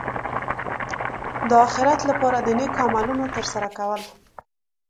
د اخرت لپاره د نېکو عملونو ترسره کول.